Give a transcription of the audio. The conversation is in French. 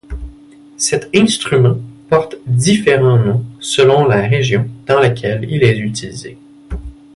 Cet instrument porte différents noms selon la région dans laquelle il est utilisé.